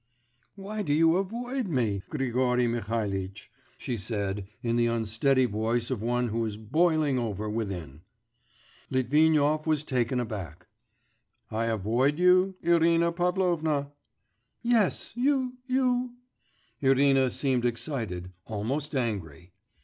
'Why do you avoid me, Grigory Mihalitch?' she said, in the unsteady voice of one who is boiling over within. Litvinov was taken aback. 'I avoid you, Irina Pavlovna?' 'Yes, you ... you ' Irina seemed excited, almost angry.